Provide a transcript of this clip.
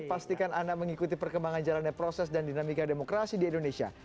pastikan anda mengikuti perkembangan jalannya proses dan dinamika demokrasi di indonesia